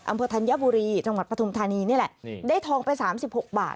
ธัญบุรีจังหวัดปฐุมธานีนี่แหละได้ทองไปสามสิบหกบาท